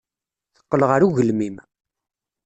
Teqqel ɣer ugelmim.